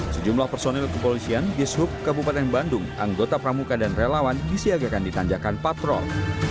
sejumlah personil kepolisian dishub kabupaten bandung anggota pramuka dan relawan disiagakan di tanjakan patrol